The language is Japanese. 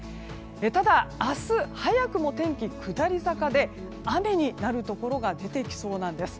ただ、明日早くも天気下り坂で雨になるところが出てきそうなんです。